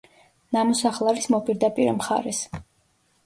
ნამოსახლარის მოპირდაპირე მხარეს.